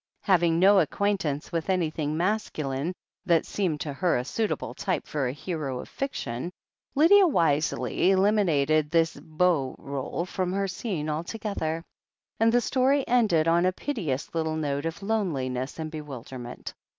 Having no acquaintance with anything masculine that seemed to her a suitable type for a hero of fiction, Lydia wisely eliminated this beau role from the scene altogether, and the story ended on a piteous little note of loneliness and bewilderment.